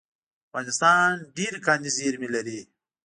افغانستان ډیرې کاني زیرمې لري